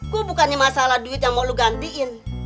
gua bukannya masalah duit yang mau lu gantiin